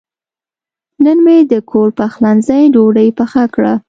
نن مې د کور پخلنځي ډوډۍ پخه کړه.